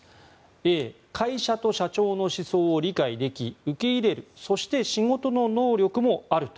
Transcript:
Ａ、会社と社長の思想を理解でき受け入れるそして仕事の能力もあると。